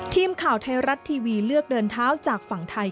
ทีมข่าวไทยรัฐทีวีเลือกเดินเท้าจากฝั่งไทย